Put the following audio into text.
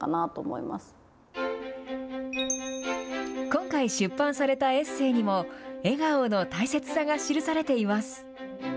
今回、出版されたエッセーにも笑顔の大切さが記されています。